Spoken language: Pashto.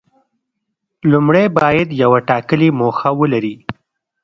لومړی باید یوه ټاکلې موخه ولري.